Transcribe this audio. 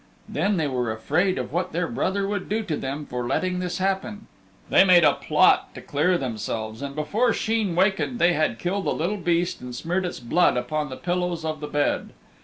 Then they were afraid of what their brother would do to them for letting this happen. They made a plot to clear themselves, and before Sheen wakened they had killed a little beast and smeared its blood upon the pillows of the bed.